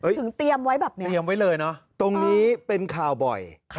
ถึงเตรียมไว้แบบนี้ตรงนี้เป็นคาวบอย